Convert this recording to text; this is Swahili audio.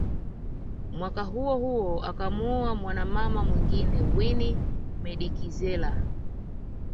Mwaka huo huo akamoua mwana mama mwingine Winnie Medikizela